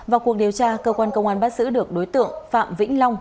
vào cuộc điều tra cơ quan công an bắt giữ được đối tượng phạm vĩnh long